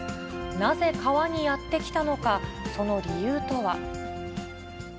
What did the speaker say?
なぜ川にやって来たのか、その理由とは。